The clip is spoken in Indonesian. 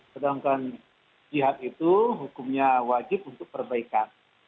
sedangkan jihad itu hukumnya wajib untuk perbaikan